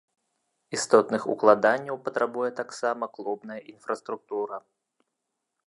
Істотных укладанняў патрабуе таксама клубная інфраструктура.